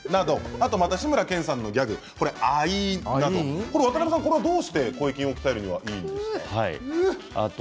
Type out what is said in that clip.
あと志村けんさんのギャグアイーンこれはどうして声筋を鍛えるのにいいんですか。